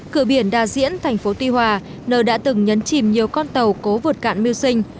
cửa biển đa diễn thành phố tuy hòa nơi đã từng nhấn chìm nhiều con tàu cố vượt cạn mưu sinh